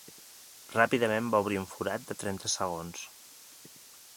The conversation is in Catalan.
Ràpidament va obrir un forat de trenta segons.